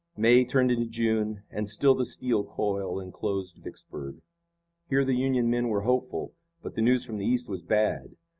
May turned into June, and still the steel coil enclosed Vicksburg. Here the Union men were hopeful, but the news from the East was bad.